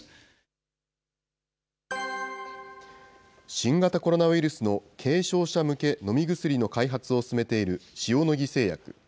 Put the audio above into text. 新型コロナウイルスの軽症者向け飲み薬の開発を進めている塩野義製薬。